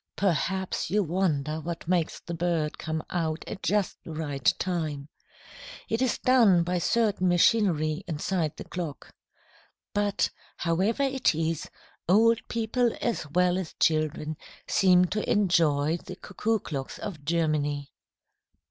Perhaps you wonder what makes the bird come out at just the right time. It is done by certain machinery inside the clock. But, however it is, old people as well as children seem to enjoy the cuckoo clocks of Germany.